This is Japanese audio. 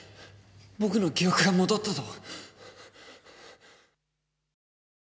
僕の記憶が戻ったと。